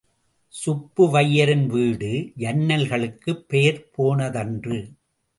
சுப்புவையரின் வீடு, ஜன்னல்களுக்குப் பெயர் போனதன்று.